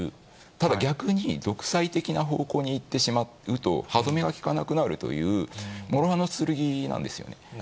ただ逆に、独裁的な方向に行ってしまうと、歯止めが利かなくなるという、もろはの剣なんですね。